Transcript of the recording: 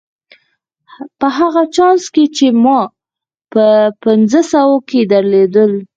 په هغه چانس کې چې ما په پنځوسو کې درلود.